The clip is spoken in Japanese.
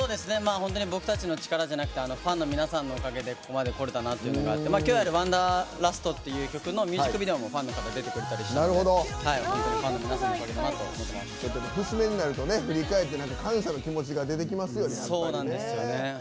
僕たちの力じゃなくてファンの皆様のおかげでここまでこれたなという感じで今日やる「ワンダーラスト」っていう曲のミュージックビデオもファンの方出てくれたりしたのでファンの方のおかげだなと節目だと振り返って感謝の気持ちが出てきますよね。